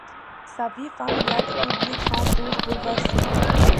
Sa vie familiale et publique s’en trouve bouleversée.